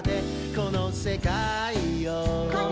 「このせかいを」